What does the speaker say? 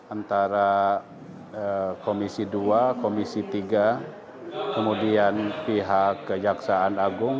antara komisi ii komisi iii kemudian pihak kejaksaan agung